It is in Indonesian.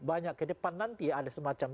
banyak ke depan nanti ada semacam